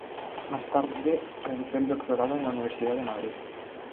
Más tarde realizó el Doctorado en la Universidad de Madrid.